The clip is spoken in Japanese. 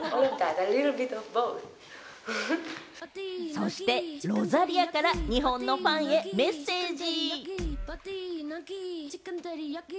そしてロザリアから日本のファンへメッセージ。